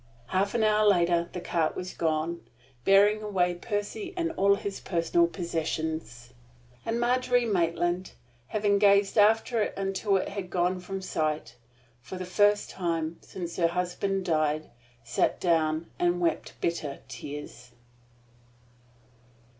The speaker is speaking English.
Half an hour later the cart had gone, bearing away Percy and all his personal possessions; and Margery Maitland, having gazed after it until it had gone from sight, for the first time since her husband died sat down and wept bitter tears.